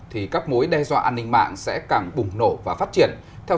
thì các mối đe dọa an ninh mạng sẽ càng bùng nổ và phát triển